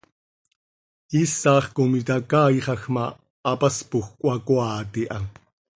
Iisax com itacaaixaj ma, hapaspoj cöhacoaat iha.